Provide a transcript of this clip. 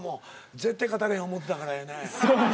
絶対勝たれへん思ってたからやね。